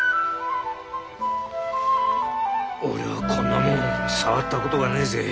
俺はこんなもん触ったことがねえぜ。